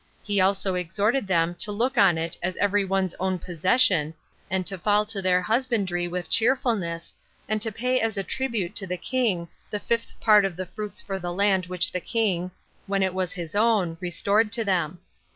He also exhorted them to look on it as every one's own possession, and to fall to their husbandry with cheerfulness, and to pay as a tribute to the king, the fifth part 14 of the fruits for the land which the king, when it was his own, restored to them.